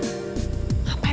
hin yurahnya komen